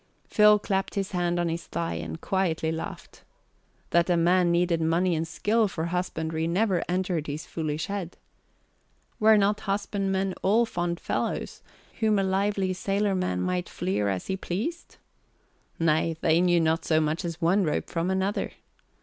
Phil clapped his hand on his thigh and quietly laughed. That a man needed money and skill for husbandry never entered his foolish head. Were not husbandmen all fond fellows whom a lively sailor man might fleer as he pleased? Nay, they knew not so much as one rope from another.